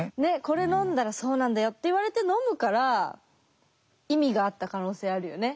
「これ飲んだらそうなんだよ」って言われて飲むから意味があった可能性あるよね。